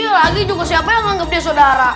lagi lagi juga siapa yang anggap dia saudara